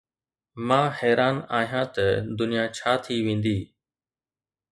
مان حيران آهيان ته دنيا ڇا ٿي ويندي